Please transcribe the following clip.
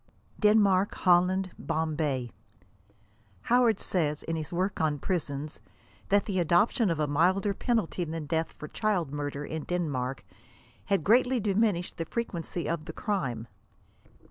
DENMARK. HOLLAND. BOMBAY. Howard says, in his work on prisons, that the adoption of a milder penalty than death for child murder, in Denmark, «* had greatly diminished the frequency of the crime."